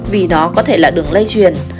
vì nó có thể là đường lây truyền